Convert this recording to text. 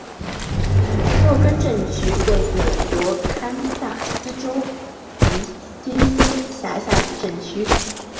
洛根镇区为美国堪萨斯州迪金森县辖下的镇区。